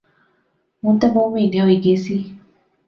ہن تہ بہوں مہینے ہوئی گئی سے